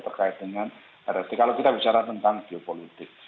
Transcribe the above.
terkait dengan rrt kalau kita bicara tentang geopolitik